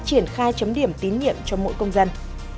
có thể triển khai chấm điểm tín nhiệm cho mỗi công dân